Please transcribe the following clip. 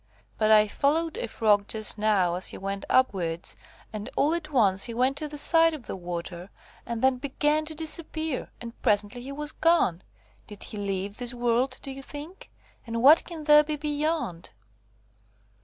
But I followed a Frog just now as he went upwards, and all at once he went to the side of the water, and then began to disappear, and presently he was gone. Did he leave this world, do you think? And what can there be beyond?"